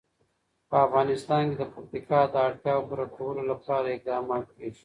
په افغانستان کې د پکتیکا د اړتیاوو پوره کولو لپاره اقدامات کېږي.